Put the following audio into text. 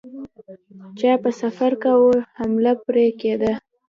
چا به سفر کاوه حمله پرې کېده.